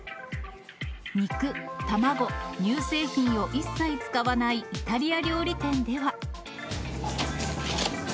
肉、卵、乳製品を一切使わないイタリア料理店では。